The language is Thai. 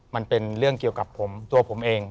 มันเป็นเรื่องเกี่ยวกับผมตัวผมเอง